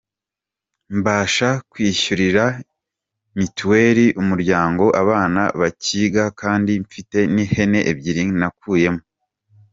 Mbasha kwishyurira mitiweri umuryango, abana bakiga kandi mfite n’ihene ebyiri nakuyemo”.